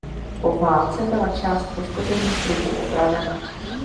Po válce byla část poškození srubu opravena.